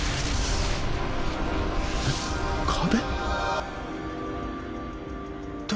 えっ壁？